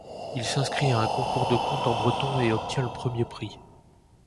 Il s'inscrit à un concours de contes en breton et obtient le premier prix.